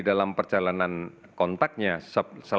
di negatif tempat lenges